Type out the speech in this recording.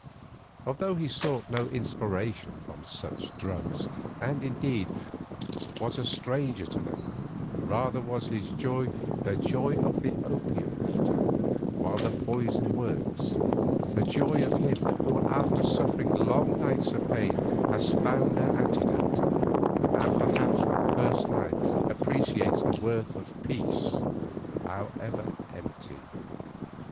Although he sought no inspiration from such drugs, and, indeed, was a stranger to them, rather was his joy the joy of the opium eater while the poison works; the joy of him who after suffering long nights of pain has found their antidote, and perhaps for the first time appreciates the worth of peace, however empty.